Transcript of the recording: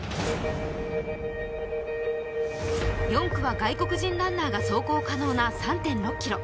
４区は外国人ランナーが走行可能な３．６ｋｍ。